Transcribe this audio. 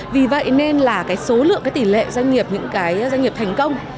vì vậy nên là cái số lượng cái tỷ lệ doanh nghiệp những cái doanh nghiệp thành công